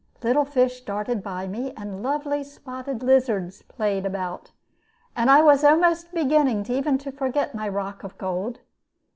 Little fish darted by me, and lovely spotted lizards played about, and I was almost beginning even to forget my rock of gold.